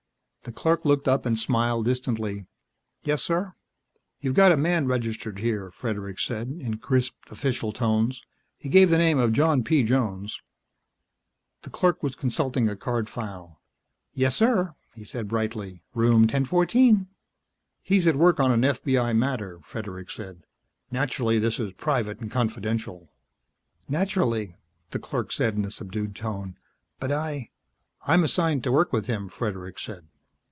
The clerk looked up and smiled distantly. "Yes, sir?" "You've got a man registered here," Fredericks said, in crisp, official tones. "He gave the name of John P. Jones " The clerk was consulting a card file. "Yes, sir," he said brightly. "Room 1014." "He's at work on an FBI matter," Fredericks said. "Naturally, this is private and confidential " "Naturally," the clerk said in a subdued tone. "But I " "I'm assigned to work with him," Fredericks said.